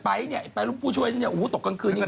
ไปเนี่ยไปลูกผู้ช่วยตกกลางคืนนี้